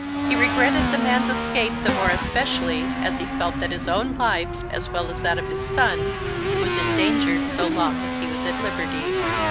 He regretted the man's escape the more especially as he felt that his own life, as well as that of his son, was endangered so long as he was at liberty.